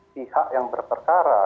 pihak yang berperkara